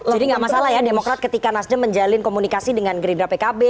jadi gak masalah ya demokrat ketika nasdem menjalin komunikasi dengan gerindra pkb